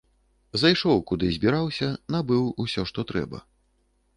Зайшоў, куды збіраўся, набыў усё, што трэба.